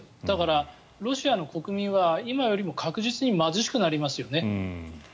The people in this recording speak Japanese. だから、ロシアの国民は今よりも確実に貧しくなりますよね。